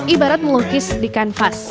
ibarat melukis di kanvas